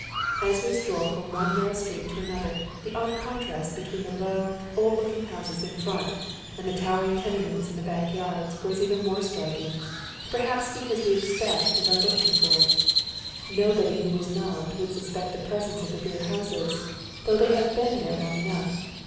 As we stroll from one narrow street to another the odd eonti'ast between the low, old looking Jionses in front and the towering tenements in the back yards grows even more striking, pei'haps because we expect and are looking for it. Kobody who was not would suspect the presence of the rear houses, though tliey have been there long enough.